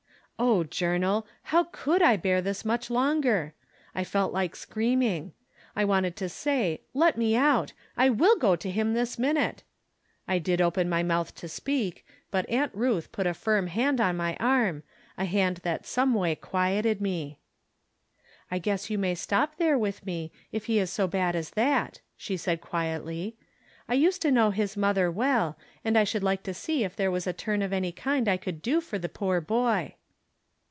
Oh, Journal, how eould I bear this much longer ? I felt like screaming. I wanted to say. Let me out ! I will go to liim this minute. I did open my mouth to speak ; but Aunt Ruth put a firm hand on my arm, a hand that someway quieted me. " I guess you may stop there with me, if he is so bad as that," she said, quietly. " I used to know his mother well, and I should like to see if there was a turn of any kind I could do for the poor boy."